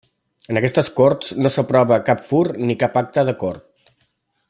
En aquestes corts no s'aprova cap fur ni cap acte de cort.